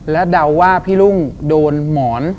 และเดาว่าพี่รุ่งโดนหมอน